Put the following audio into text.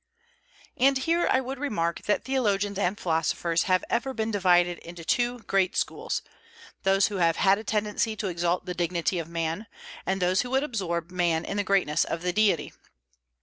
And here I would remark that theologians and philosophers have ever been divided into two great schools, those who have had a tendency to exalt the dignity of man, and those who would absorb man in the greatness of the Deity.